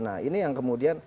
nah ini yang kemudian